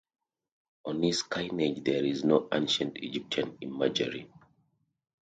On his coinage there is no Ancient Egyptian imagery.